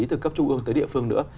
từ cấp trung ương tới địa phương nữa